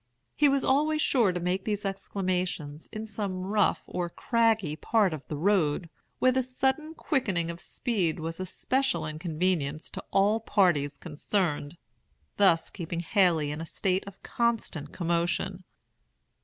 He was always sure to make these exclamations in some rough or craggy part of the road, where the sudden quickening of speed was a special inconvenience to all parties concerned, thus keeping Haley in a state of constant commotion.